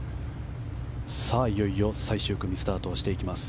いよいよ最終組スタートしていきます。